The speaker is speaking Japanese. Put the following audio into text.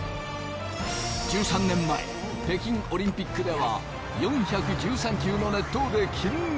１３年前北京オリンピックでは４１３球の熱投で金メダル。